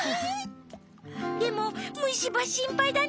でもむしばしんぱいだね？